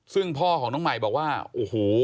ซึ่งพ่อของน้องใหม่บอกว่าโอ้โห